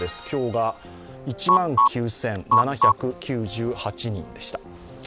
今日が１万９７９８人でした。